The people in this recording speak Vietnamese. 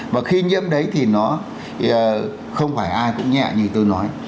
và khi nhiễm đấy thì nó không phải ai cũng nhẹ như tôi nói